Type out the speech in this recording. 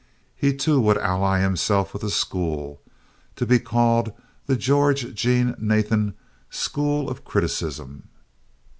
He too would ally himself with a school to be called the George Jean Nathan School of Criticism.